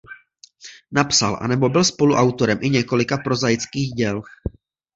Napsal anebo byl spoluautorem i několika prozaických děl.